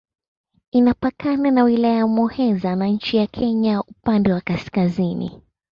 Inapakana na Wilaya ya Muheza na nchi ya Kenya upande wa kaskazini.